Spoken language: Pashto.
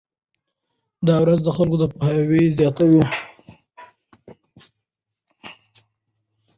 دا ورځ د خلکو پوهاوی زیاتوي.